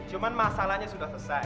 cuma masalahnya sudah selesai